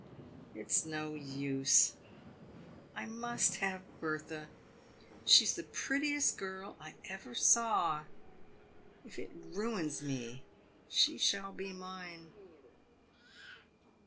It is no use ! I must have Bertha, she's the prettiest girl I ever saw. If it ruins me, she shall he mine."